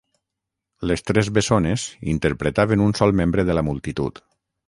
Les tres bessones interpretaven un sol membre de la multitud.